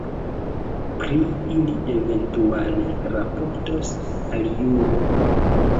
Pri ili eventuale raportos aliulo.